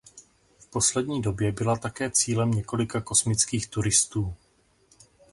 V poslední době byla také cílem několika kosmických turistů.